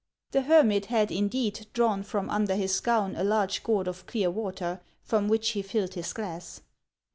The hermit had, indeed, drawn from under his gown a large gourd of clear water, from which he filled his glass.